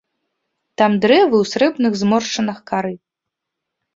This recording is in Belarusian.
Там дрэвы ў срэбных зморшчынах кары.